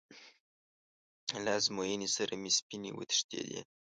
له ازموینې سره مې سپینې وتښتېدې.